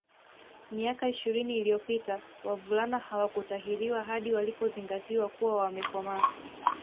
Miaka ishirini iliyopita wavulana hawakutahiriwa hadi walipozingatiwa kuwa wamekomaa